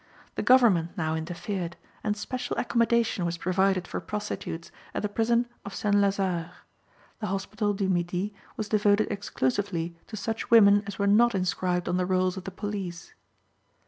The government now interfered, and special accommodation was provided for prostitutes at the prison of Saint Lazare. The Hospital du Midi was devoted exclusively to such women as were not inscribed on the rolls of the police.